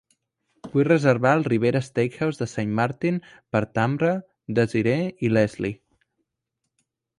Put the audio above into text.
Vull reservar al Ribera Steakhouse de Sint Maarten per Tamra, Desiree i Lesley.